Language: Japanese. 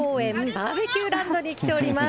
バーベキューランドに来ております。